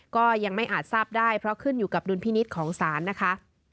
ก็ยังไม่อาจทราบได้เพราะขึ้นอยู่กับดุลพินิษฐ์ของศาลนะคะ